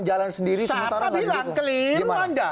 jalan sendiri siapa bilang keliru anda